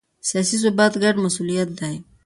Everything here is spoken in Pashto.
سیاسي ثبات ګډ مسوولیت دی